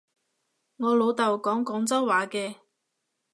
我老豆講廣州話嘅